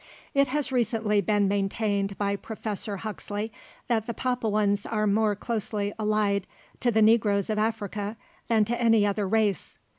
It has recently been maintained by Professor Huxley, that the Papuans are more closely allied to the negroes of Africa than to any other race.